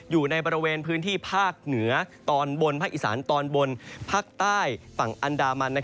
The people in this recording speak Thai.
อยู่ในบริเวณพื้นที่ภาคเหนือตอนบนภาคอีสานตอนบนภาคใต้ฝั่งอันดามัน